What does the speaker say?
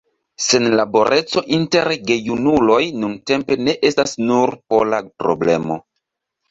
Senlaboreco inter gejunuloj nuntempe ne estas nur pola problemo.